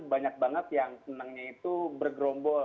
banyak banget yang senangnya itu bergrombol